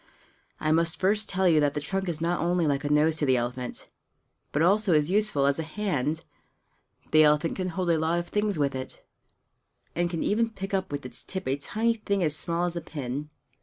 I must first tell you that the trunk is not only like a nose to the elephant, but also is useful as a hand; the elephant can hold a lot of things with it, and can even pick up with its tip a tiny thing as small as a pin.